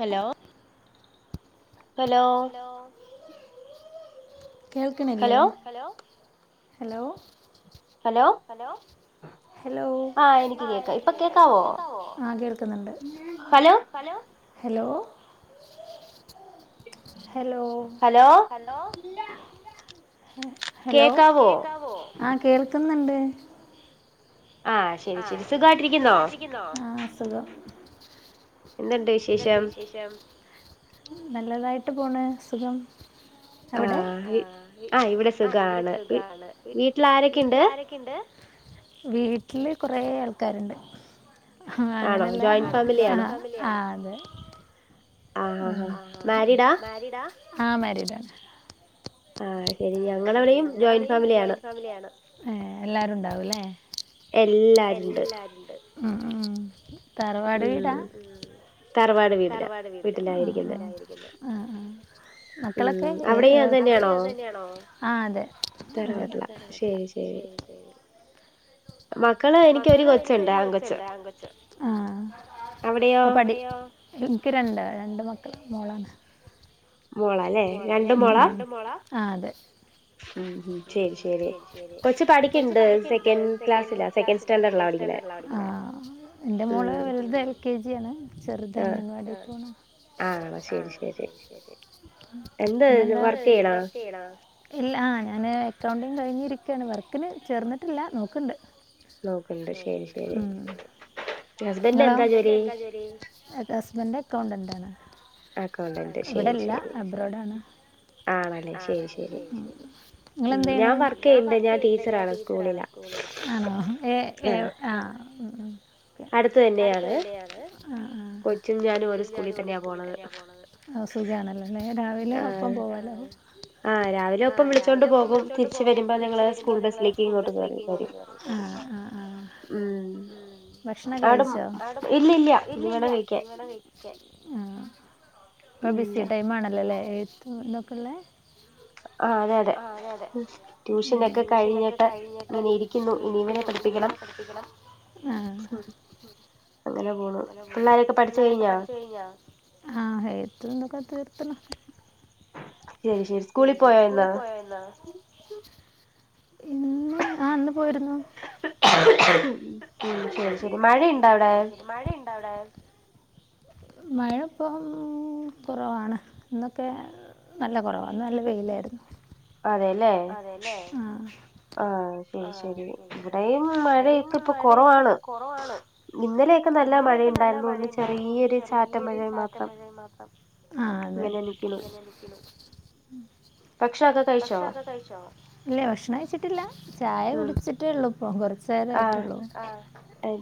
Hello hello കേൾക്ക്ണില്ലേ hello hello hello hello ആഹ് ഇപ്പ കേൾക്കാവോ ആഹ് കേൾക്കുന്നുണ്ട് hello hello hello hello hello കേക്കാവോ ആഹ് കേൾക്കുന്നുണ്ട് ആഹ് സുകായിട്ട് ഇരിക്കുന്നോ ആഹ് സുഖം എന്ത്ണ്ട് വിശേഷം നല്ലതായിട്ട് പോണ് സുഖം എവിടെ ആഹ് ഇവിടെ സുഖാണ് വീട്ടിൽ ആരൊക്കെണ്ട് വീട്ടില് കുറെ ആൾക്കാര്ണ്ട് ആഹ് അങ്ങനെയല്ല ആഹ് അതെ ആഹ് മാരീഡ് ആണ് ആഹ് [unintelligible] ആ ശരി ഞങ്ങള എവിടെയും ജോയിന്റ് ഫാമിലിയ ആണ് എല്ലാരും ഉണ്ടാവൂല്ലേ എല്ലാരുംണ്ട് തറവാട് വീടാ തറവാട് വീ എല്ലായിരിക്കുന്നത് മക്കളൊക്കെ ആഹ് അതെ അതെതെ [inaudible] മക്കള് എനക്കൊര് കൊച്ചുണ്ട് ആങ്കൊച്ച് പ്പൊ പടിയോ എനിക്ക് രണ്ട് രണ്ട് മക്കൾ മോളാണ് മോള അല്ലേ രണ്ടും മോള അതെ [inaudible] ഉം ശരി ശരി കൊച്ച് പഠിക്കണ്ട് സെക്കൻഡ് ക്ലാസ്സില്ല സെക്കൻഡ് സ്റ്റാൻഡേർഡ്ല പഠിക്ക്ന്നേ ആഹ് എന്റെ മോള് വെലുത എൽ കെ ജിണ് ചെറുത് അങ്ങനൻവാടി പോണ് ആഹ് ശരി ശരി ല്ല ഞൻ അക്കൗന്റിങ് കഴിഞ് ചേർന്നിട്ടില്ല നോക്ക്ണ്ട് ഇങ്ങളോ ഹസ്ബൻന്റെ അക്കൗണ്ടന്റ് ആണ് ഇവിടെല്ല അബ്രോഡാണ് ആണല്ലെ ശരി ശരി ഞാൻ വർക്ക് ചെയ്യ്ണ്ട് ഞാൻ ടീച്ചറാണ് സ്കൂ ആണോ ഏഹ് ഏഹ് ആഹ് [unintelligible] സുഖണല്ലോല്ലേ രാവിലെ ഒപ്പം പോവാലോ ആഹ് രാവിലെ ഒപ്പം വിളിച്ചോണ്ട് പോകും തിരിച്ച് വരുമ്പോ ഞങ്ങള് സ്കൂൾ ബസ്സിലേക്ക് ഇങ്ങോട്ട് കേറി വരും ഉം ഭക്ഷണം കഴിച്ചോ [unintelligible] ഇപ്പൊ ബിസി ടൈം ആണല്ലോല്ലേ എഴത്തന്നൊക്കള്ളേ [inaudible] ആഹ് അതെ അതെ ട്യൂഷനൊക്കെ കഴിഞ്ഞിട്ട് അങ്ങനെ ഇരിക്കുന്നു ഇനിവനെ പഠിപ്പിക്കണം ആഹ് പിള്ളേരൊക്കെ പഠിച്ച് കഴിഞ്ഞോ സ്കൂളി പോയല്ല ഇന്ന് ആഹ് പോയിരുന്നു ഉം ശരി ശരി മഴണ്ട അവിടെ മഴപ്പം കുറവാണ് ഇന്നൊക്കെ നല്ല കുറവാണ്, നല്ല വെയിലായിരുന്നു. അതെല്ലേ ആഹ് ആഹ് ശരി ശരി ഇവിടെയും മഴയൊക്കെ ഇപ്പൊ കുറവാണ് ഇന്നലെ. ഇന്നലെയൊക്കെ നല്ല മഴയുണ്ടായിരുന്നു ഇന്ന് ചെറിയൊരു ചാറ്റമഴ മാത്രം ആഹ് അതെ. അങ്ങനെയിരിക്കുന്നു. പക്ഷേ അത് കഴിച്ചോ. അത് കഴിച്ചോ, ഇല്ല ഭക്ഷണം കഴിച്ചിട്ടില്ല ചായ കുടിച്ചിട്ടേ ഉള്ളൂ ഇപ്പ കുറച്ച്. സേലം ആയിട്ടുള്ള ആഹ്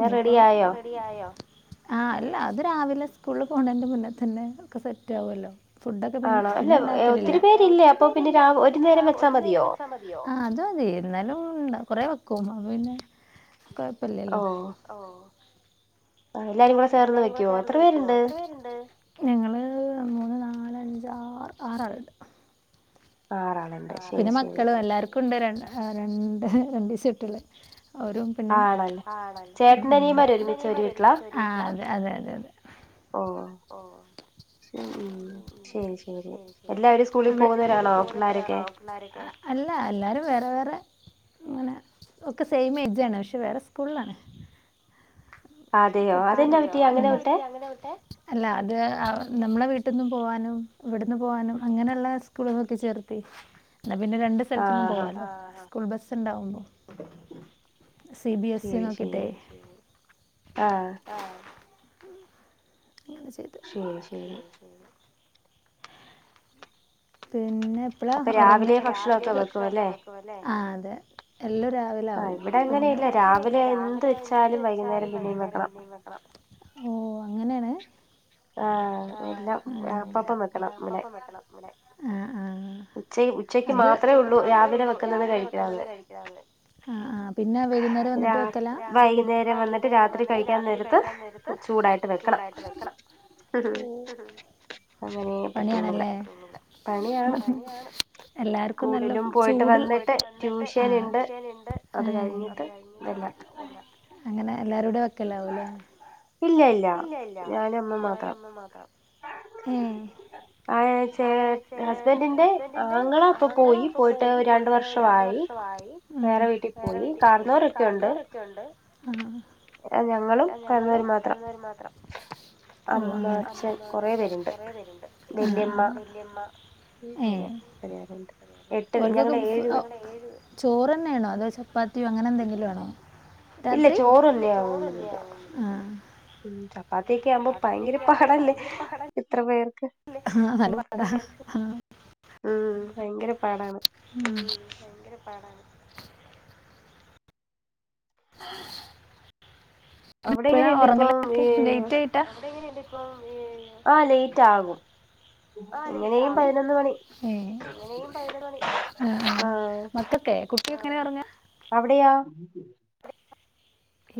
ഇനിയിപ്പോ എല്ലാം റെഡിയായോ. ആഹ് അല്ല അത് രാവിലെ സ്കൂളിൽ പോണന്റെ മുന്നേ തന്നെ ഒക്കെ സെറ്റ് ആവല്ലോ. ഫുഡൊക്കെ പിന്നെണ്ടാക്കലില്ല ആഹ് ഒത്തിരി പേരില്ലേ അപ്പൊ. പിന്നെ രാവ്‌ ഒരു നേരം വെച്ചാൽ മതിയോ, ആഹ് അത് മതി ഒരു നേരം ഉണ്ണാം, കുറെ വയ്ക്കും അപ്പൊ പിന്നെ. കൊഴപ്പമില്ലല്ലോ. ആഹ് എല്ലാരും കൂടെ ചേർന്ന് വെക്കുവോ എത്ര പേരുണ്ട്. ഞങ്ങള് മൂന്ന് നാല് അഞ്ച് ആറ് ആറാളുണ്ട്. പിന്നെ മക്കളും എല്ലാർക്കുണ്ട് ര രണ്ട് രണ്ടു വയസ്സ് കുട്ടികളും. ഓരും പിന്നെ ആണോ ഉം ഉം ചേട്ടൻ അനിയന്മാർ ഒന്നിച്ച് വരൂല, ആവൂല അതെ അതെ. ഓ ഉം ഉം ശരി ശരി എല്ലാവരും സ്കൂളിൽ പോകുന്നവരാണോ പിള്ളാര്. ആണോ പിള്ളേരൊക്കെ അല്ല എല്ലാരും വേറെ വേറെ. അങ്ങനെ ഒക്കെ സെയിം എജ് ആണ്, പക്ഷെ വേറെ സ്കൂളിലാണ്. [unintelligible] അതെയോ അതെന്നാ ഉം പറ്റി അങ്ങനെ വിട്ട് അല്ല അത് അവർ. നമ്മളെ വീട്ടിൽനിന്നും പോകാനും ഇവിടെന്ന് പോവാനും അങ്ങനെയുള്ള സ്കൂൾ നോക്കി ചേർത്തേ. എന്നാ പിന്നെ രണ്ട് സ്ഥലത്ത് നിന്നും പോവാലോ ആഹ് ആഹ് സ്കൂൾ ബസ് ഉണ്ടാവുള്ള. സിബിഎസ്ഇ നോക്കിട്ടേ ആഹ്. ഉം അങ്ങനെ ചെയ്തു ഉം പിന്നെ എപ്പളാ ഉറങ്ങാ ഇപ്പൊ രാവിലെ [unintelligible] വെക്കും അല്ലേ, ആഹ് അതെ എല്ലാം രാവിലെ ആകും. ഇവിടെ അങ്ങനെയല്ല രാവിലെ എന്ത് വെച്ചാലും വൈകുന്നേരം പിന്നെയും വെക്കണം. [unintelligible] ആഹ് എല്ലാം അപ്പപ്പം വെക്കണം ഇവിടെ. ഉച്ച ഉച്ചയ്ക്ക് മാത്രമേ ഉള്ളൂ രാവിലെ വെക്കുന്നത് കഴിക്കാവുള്ള. രാ വൈകുന്നേരം വന്നിട്ട് രാത്രി കഴിക്കാൻ നേരത്ത് വെച്ച്. ചൂടായിട്ട് വെക്കണം അങ്ങനെ പറ്റുള്ളൂ ഇവിടെ. പണിയാണ്. ആണ് എല്ലാവർക്കും നല്ല സ്കൂളിൽ പോയിട്ട് വന്നിട്ട് ആഹ് ട്യൂഷൻ ഇണ്ട് ഉം അത് കഴിഞ്ഞു. ട്ട് അല്ലെ അങ്ങനെ. എല്ലാരും കൂടെ വെക്കലാവുല്ലല്ലേ, ഇല്ലില്ല ഞാനും അമ്മ മാത്രം. ആഹ് ശ ഹ് ഹസ്ബൻഡിന്റെ ആങ്ങള് അപ്പം പോയി പോയിട്ട് രണ്ട് വർഷമായി ഉം. വേറെ വീട്ടിക്ക് പോയി കാർന്നവരൊക്കെയുണ്ട്. ഞങ്ങളും കാർന്നുവരും മാത്രം. അമ്മ അച്ഛൻ കുറെ പേരുണ്ട് വല്യമ്മ. അങ്ങനെ കുറെ പേരുണ്ട്, എട്ട് ഞങ്ങള ഏഴ്. ചോറ് തന്നെയാണോ അതോ ചപ്പാത്തിയോ അങ്ങനെ എന്തെങ്കിലും ആണോ. രാത്രി ഇല്ല ചോറ് തന്നെയാണ് എന്നും. ഉം ചപ്പാത്തിയൊക്കെ ആവുമ്പോ ഭയങ്കര പാടല്ലേ ഇത്ര പേർ അല്ലെ ആഹ് നല്ലപാടാ ഉം. ഉം ഭയങ്കര പാടാണ്. ഉം ഉം ഭയങ്കര പാടാണ്. [inaudible] ഇവര് ഇപ്പഴ ഉറങ്ങലക്കെ ലേറ്റ് ആയിട്ടാ അവിടെ എങ്ങനഇണ്ട് ഇപ്പൊ ആ ലേറ്റ് ആകും ആ ലേറ്റ് ആകും ഏ എങ്ങനെ പതിനൊന്നുമണി മക്കൊക്കെ എങ്ങനെയാ ഒറങ്ങാ അവിടെയാ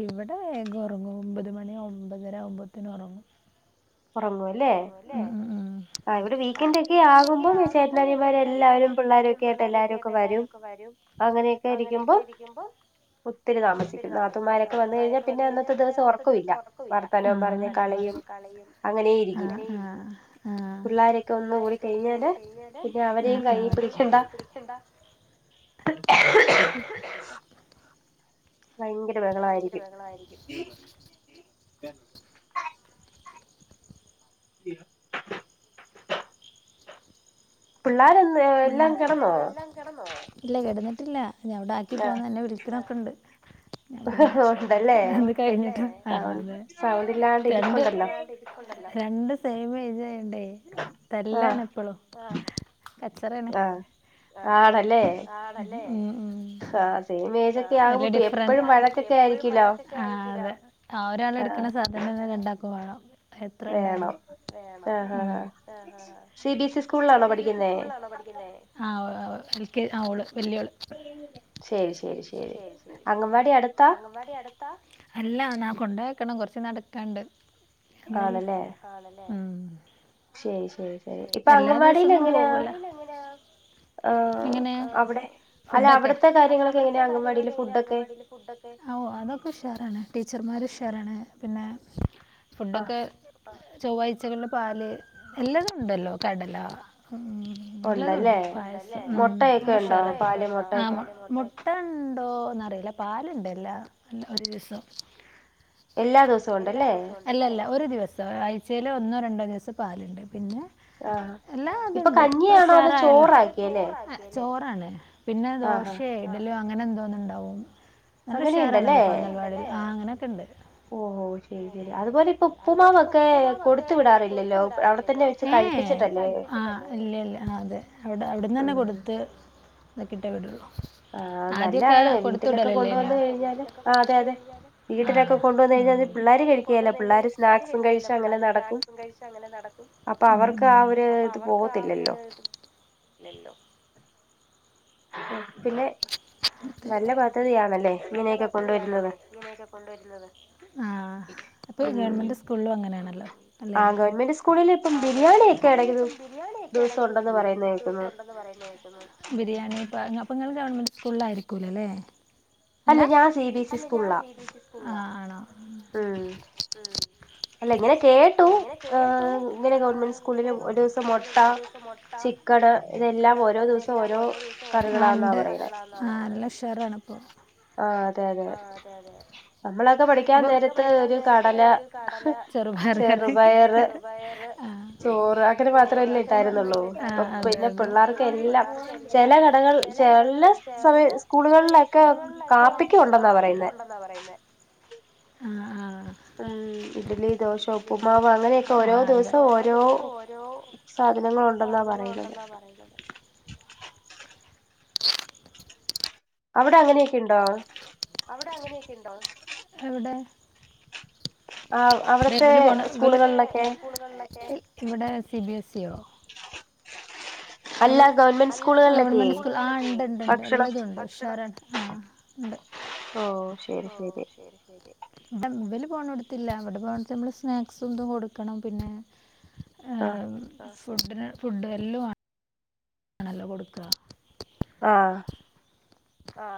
ഇവിടെ വേഗം ഉറങ്ങും ഒമ്പത് മണി ഒമ്പതര ആവുമ്പത്തിന് ഉറങ്ങും ഉറങ്ങും അല്ലേ ആ ഇവിടെ വീക്കെന്ഡ ഒക്കെ ആകുമ്പോം ചേട്ടനാനിമാരെല്ലാവരും എല്ലാവാരും പിള്ളാരും ഒക്കെ ആയിട്ട് എല്ലാരും ഒക്കെ വരും അങ്ങനെയൊക്കെ ഇരിക്കുമ്പോ ഒത്തിരി താമസിക്കും നാത്തൂന് മാ രൊക്കെ വന്ന കഴിഞ്ഞാൽ പിന്നെ അന്നത്തെ ദിവസം ഒറക്കോംല്ല വർ ത്താനോം പറഞ്ഞ് പിന്നെ കളിയും അ ആ ആ പിള്ളോരൊക്കെ ഒന്ന് കൂടി കഴിഞ്ഞാല് ആ ആ കയ് പിടിക്കണ്ട ഭയങ്കര ബഹളായിരിക്കും [inaudible] പിള്ളാരെ പിള്ളാരന്നെ എല്ലാം കിടന്നോ ഇല്ല കിടന്നിട്ടില്ല ഞാൻ അവിടെ ആക്കി പോന്ന എന്നെ വിളിക്കണം ഉണ്ട് പിന്നെ ഇത് കഴിഞ്ഞിട്ട് ആ ആ അതെ രണ്ട് ഇല്ലാതിരിപ്പുണ്ടല്ലോ രണ്ട് സെയിം എയ്ജ് ആയത് കൊണ്ട് തല്ലാണ് എപ്പളും കചറേണ് ആ ആണല്ലേ ഉം ഉം ആ ഒരു ഡിഫറന്റ് ഇപ്പഴും വഴക്കൊക്കെ ആണ് ആ അതെ ആ ഒരാള് എടുക്കണ സാധനം രണ്ടാൾക്കും വാണം വേണം ആഹ ആ ആ സി ബി സി ഇ സ്കൂളിലാണോ പഠിക്കുന്നെ സ്കൂളിലാണോ പഠിക്കുന്നെ ആ ഒ എൽ കെ ഓള് ശരി ശരി ശരി അംഗവാടി അടുത്താ അല്ല ഞാൻ കൊണ്ടക്കണം കുറച്ചു നടക്കാണ്ട് അതല്ല ശരി ശരി ശരി ഇപ്പൊ അങ്കൻവാടിൽ എങ്ങനെയാ ആ അവിടെ ഫുടൊക്കെ അല്ലെ അവിടത്തെ കാര്യങ്ങളൊക്കെ എങ്ങനെയ അംഗവാടിയിലെ ഫുടൊക്കെ അവാു അതൊക്കെ ഉഷാറ ടീച്ചർമാർഷരാണ് പിന്നെ ഫുഡൊക്കെ ചൊവ്വാഴ്ചകളുടെ പാല് എല്ലാം ഉണ്ടല്ലോ കടല ഉ നല്ലതണ്ട് പായസ ഉ നല്ലറ ആ മുട്ട ഉണ്ടോ അറില്ല പാലുണ്ടല്ലോ ഒരു ദിവസം ഇല്ല ദിവസവും ഇണ്ടോ അല്ലല്ല ഒരു ദിവസം ആഴച ആഴ്ചയിൽ ഒന്നോ രണ്ടോ ഗ്ലാസ് പാലുണ്ട് പിന്നെ ആഹ ഇണ്ട് ഉഷാറായില്ലേ ചോരാണ് പിന്നെ ഡോസ്സമം ഇഡലിൻ അങ്ങനെ എന്തോന്ന ഉണ്ടാാവും നല്ല ഉഷാർാണല്ലോ ഇപ്പൊ അങേനടവാടിയിൽ ആ അങ്ങനെയൊക്കെ ഉണ്ട് ഓ ശരി ശരി അതുപോലെ ഇപ്പ ഉപ്പുമാവൊക്കെ കൊടുത്ത വിടാറില്ലല്ലോ അവിടെത്തന്നെ വെച്ച് കഴിപ്പിച്ചിട്ട ആ ഇല്ല ഇല്ല ആ അതെ അവിടെ അവിടെന്ന് തന്നെ കൊടുത്ത് അത കിട്ടേ വിടുള്ളൂ ആഹ നല്ലാണ് വീട്ടിലൊക്കെ കൊണ്ടുവന്ന് കഴിഞ്ഞാല് ആ അതെ അതെ അതതെ വീട്ടിലൊക്കെ കൊണ്ട വന്ന കഴിഞ്ഞാ പിള്ളോര് കഴിക്കില്ല പിള്ളാര് സ്നാക്സും കഴിച്ച അങ്ങനെ നടക്കും അപ്പൊ അവർക്ക് ആ ഒരു ഇത് പോ ല്ലല്ലോ നല്ല പദ്ധതിയാണ് നല്ല പത്തിയാനല്ലർ ഇങ്ങ്നെ ഒക്കെ കൊണ്ട് വരുന്നേ അപ്പ അങ്ങനാണല്ലോ ആ ഗവൺമെന്റ് സ്കൂളിൽ ഇപ്പം ബിരിയാണി ഒക്കെ ഇട ദിവസം ഉണ്ടെന്ന് പറയുന്ന കേക്കുന്നു ബിരിയാണി അപ്പങ്ങള് ഗവൺമെന്റ് സ്കൂളിൽ ആയിരിക്കൂലല്ലേ അല്ല ഞാൻ സിബിഎസ്ഇ സ്കൂളിൽ ആണ് ആണോ ഉം അല്ല ഇങ്ങനെ കേട്ടു ഏ ഇങ്ങനെ ഗവൺമെന്റ് സ്കൂളിലും ഒരു ദിവസം മൊട്ട ചിക്കൻ ഇതെല്ലാം ഓരോ ദിവസം ഓരോ കറികളാെന്നാ പറയായുന്നത് ആ നല്ല ഉഷാറാണോ ഇപ്പൊ ആ അതെ അതെ അപ്പൊ പഠിക്കൻ നേരാത്ത് കാടല ചെറുപറ ചെറു പയർ ചോറ് അങ്ങനെ മാത്രമല്ല ഇണ്ടായിരുന്നുള്ളൂ ഇപ്പൊ പിന്നെ പിള്ളേർക്ക എല്ലാം ചില കടല ചില സ്കൂളുകളിലൊക്കെ പാപ്പിക്കണ്ടെന്നാ പറയുന്ന ആ ആ ഉം ഇഡ്ലി ദോശ ഉപ്പുമാവ് അങ്ങനെയൊക്കെ ഓരോ ദിവസം ഓരോ സാധനങ്ങള ഉണ്ടെന്നാ പറയുന്നത് അവിടെ അങ്ങനെ അവിടെ അങ്ങനെയൊക്കെ ഉണ്ടോ എവിടെ ഇവിടെ ഇവല് പോണ് നികള്ടെ സ്കൂളുകളിൽ ഒക്കെ ഇവിടെ സി ബി എസ് ഇയോ അ ഗവൺമെന്റ് സ്കൂൾ ആ ഉണ്ട്ണ്ട്ണ്ട് എല്ലതുുംണ്ട് പക്ഷരുണ്ട് ആ ഉണ്ട് ഓ ശരി ശരി ഇബാല് പോകണടുത്തില്ല അവിടെ പോവണടുത്ത് നമ്മൾ സ്നാക്ക്സ് കൊടുക്കണം പിന്നെ ആ ഫുഡിന് ഫുഡ് എല്ലാംമാണ് ആണല്ല കൊടുക്കുക ആ ആ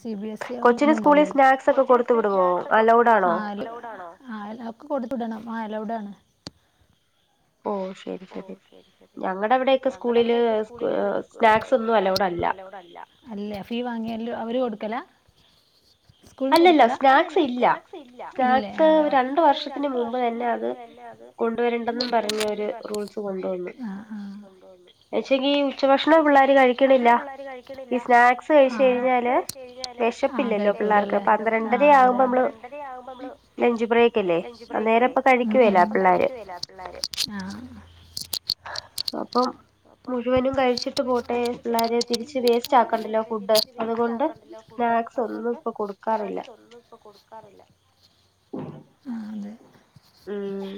സി ബി എസ് ഇ ഒണ്ടാവോ കൊച്ചിൻ സ്നാക്ക്സ് കൊടുത്ത് വിടണത് അലൗഡ് ആണോ ആഹ് ഒക്കെ കൊടുത്തടണം ആഹ് അലൗഡ് ആണ് ഓ ശരി ശരി ഞങ്ങടെവടൊക്കെ സ്കൂളില് സ്നാക്സ് ഒന്നും അല ലോഡല്ല അല്ലെ ഫീ വാങ്ങിയാല് അവര് കൊടുക്കലാ? സ്കൂൾന്ന് കൊടുക്കലാ അല്ലല്ല സ്നാക്സില്ല സ്നാക്സ് രണ്ട് വർഷത്തിന് മുമ്പ് തന്നെ കൊണ്ടുവരണ്ടെന്നും പറഞ്ഞ ഒരു റൂൾസ് കൊണ്ടുവന്നു [inaudible] അക്ഷെങ്കീ ഉച്ചഭക്ഷണം പിള്ളാര് കഴിക്ക്‌ണില്ല ഈ സ്നാക്സ് കഴിച്ച് കഴിഞ്ഞാല് [unintelligible] വിശപ്പില്ലല്ലോ പിള്ളേർക്ക് ക്ക് പന്ത്രണ്ടരയാവുമ്പ മ്മള് ലഞ്ച് ബ്രേക്ക്ല്ലേ അന്നേരപ്പ കഴിക്കു വെല്ലാ പിള്ളാ ഴിക്കുവേല്ലാ പിള്ളാര് ആഹ് അഹ് അപ്പം മുഴുവനും കഴിച്ചിട്ട് പോട്ടെ പിള്ളാര് തിരിച്ച് വേസ്റ്റാക്കണ്ടല്ലോ ഫുഡ് അത് കൊണ്ട് നാക്സൊന്നും സ്നാക്സൊന്നുപ്പൊ കൊടുക്കാറില്ല. ആഹ് തെ ഉം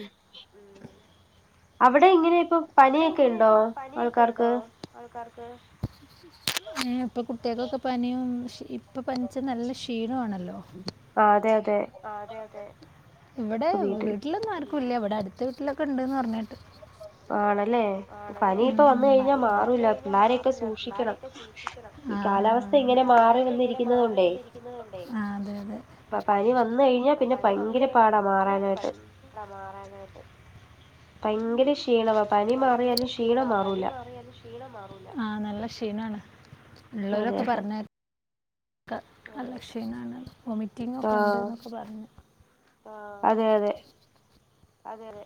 അവിടെ ഇങ്ങനെ അവിടെ ഇങ്ങനെയൊക്ക പനിയൊക്കെ ഉണ്ടോ ആൾക്കാർക്ക്? ഏഹ് പ്പ കുട്ട്യ ക്കൊക്കെ പനിയും ഷ് ഇപ്പൊ പനിച്ച നല്ല ക്ഷീണോ ആണല്ലോ ആഹ് അതെ അതെ ഇവിടെ വീട്ടിലൊന്നാർ ക്കുല്ല വിടട്ത്ത വീട്ടിലൊക്കെണ്ട്ന്നർഞ്ഞേട്ട് ആണല്ലേ? പനി ഇപ്പ വന്ന് കഴിഞ്ഞാ മാറൂല്ല പിള്ളാരെയൊക്ക സൂഷിക്കണം. ആഹ് കാലാവസ്ഥ ഇങ്ങനെ മാറിവന്നിരിക്കുന്നത് കൊണ്ടെ ആഹ് അതെ അതെ അ പനി വന്ന് കയ് ഞ്ഞാ [unintelligible] മാറാനായിട്ട് ഭയങ്കര ക്ഷീണമാ പനി മാറിയാലും ക്ഷീണം മാറൂല ആഹ് നല്ല ഷീണാണ് ള്ളോലൊക്ക പർഞ്ഞ ക്ക്‌ നല്ല ക്ഷീണാണ് വൊമിറ്റിങ്ങൊക്കെ ഇണ്ട്ന്നൊക്കെ പറഞ്ഞു അതെ അതെ. അതെഅതെ.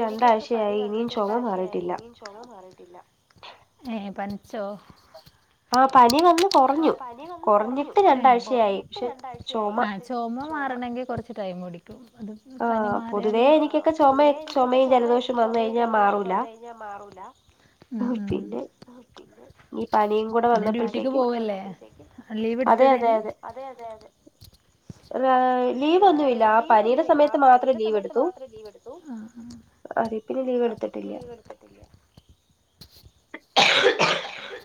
എനിക്കൊക്കെ പനി വന്നിട്ട് രണ്ടാഴ്ചയായി ഇനിയും ചൊമ മാറീട്ടില്ല ഏഹ് പനി ച്ചോ? ആ പനി വന്ന് കൊറഞ്ഞു. കൊറഞ്ഞിട്ട് രണ്ടാഴ്ചയായി. പക്ഷെ ചൊമ ചൊമ മാറണെങ്കി കൊറച്ച് ടൈമ് പിടിക്കും. ആഹ് പനി മാറിയാലും ആഹ് പൊതുവേ എനിക്കൊക്കെ ചൊമെ ചൊമയും ജലദോഷം വന്ന് കഴിഞ്ഞാ മാറൂല. ഓഹ് പിന്നെ ഈ പനിയും കൂടെ വന്നപ്പോഴ്ത്തേക്കും. ആ ലീവ് ഇടുത്തതേനി? അതെ അതെ അതെ. ആഹ് ലീവൊന്നു ഇല്ല ആ പനിയുടെ സമയത്ത് മാത്രം ലീവെടുത്തു ആദ്യത്തില് ലീവ് എട്ത്തിട്ടില്ല [inaudible]